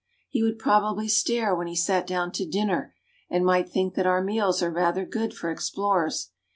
He would probably stare when he sat down to dinner, and might think that our meals are rather good for ex plorers.